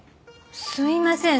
すみません